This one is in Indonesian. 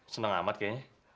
seneng amat kayaknya